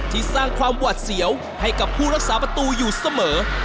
สร้างความหวาดเสียวให้กับผู้รักษาประตูอยู่เสมอ